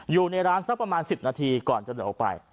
อยู่ในร้านสักประมาณ๑๐นาทีก่อนจะเดินออกไป